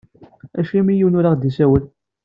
Acimi yiwen ur aɣ-d-isawel?